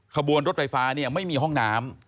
ขบวนรถไฟฟ้าไม่มีห้องน้ำ